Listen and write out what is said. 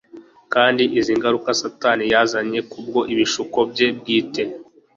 kandi izi ngaruka satani yazanye kubwo ibishuko bye bwite